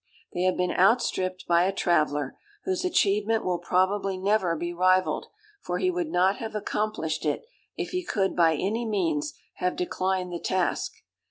They have been outstripped by a traveller, whose achievement will probably never be rivalled; for he would not have accomplished it, if he could by any means have declined the task.